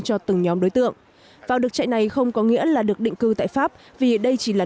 cho từng nhóm đối tượng và được chạy này không có nghĩa là được định cư tại pháp vì đây chỉ là